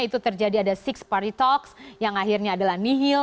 itu terjadi ada enam party talks yang akhirnya adalah nihil